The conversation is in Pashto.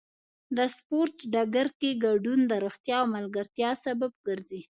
د سپورت ډګر کې ګډون د روغتیا او ملګرتیا سبب ګرځي.